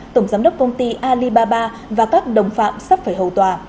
tổng giám đốc công ty alibaba và các đồng phạm sắp phải hầu tòa